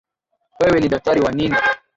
Wewe ni daktari wa nini?